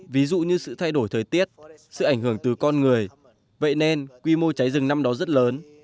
ví dụ như sự thay đổi thời tiết sự ảnh hưởng từ con người vậy nên quy mô cháy rừng năm đó rất lớn